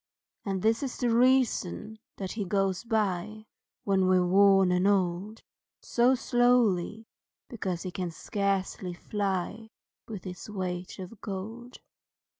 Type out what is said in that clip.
And this is the reason that he goes by, When we're worn and old, So slowly, because he can scarcely fly With his weight of gold.